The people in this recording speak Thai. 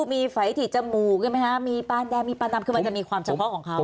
มีไฝถี่จมูกใช่ไหมคะมีปานแดงมีปลานำคือมันจะมีความเฉพาะของเขา